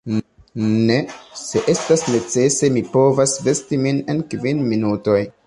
Ne; se estas necese, mi povas vesti min en kvin minutoj.